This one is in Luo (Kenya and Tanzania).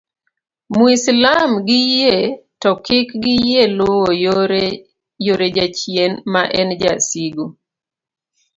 mwislam gi yie to kik giyie luwo yore jachien maen jasigu